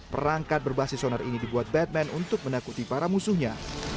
perangkat berbasis sonar ini dibuat batman untuk menakuti para musuhnya